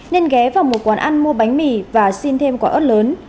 nên ghé vào một quán ăn mua bánh mì và xin thêm quả ớt lớn